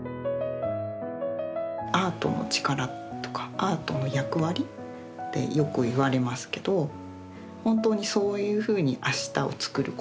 アートの力とかアートの役割ってよく言われますけど本当にそういうふうにあしたをつくること。